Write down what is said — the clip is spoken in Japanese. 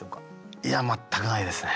いや全くないですね。